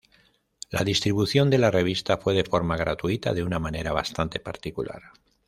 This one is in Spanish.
La distribución de la revista fue de forma gratuita de una manera bastante particular.